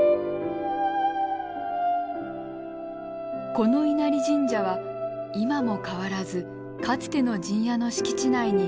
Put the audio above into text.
この稲荷神社は今も変わらずかつての陣屋の敷地内に鎮座しています。